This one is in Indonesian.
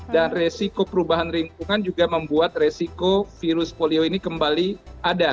dan resiko perubahan lingkungan juga membuat resiko virus polio ini kembali ada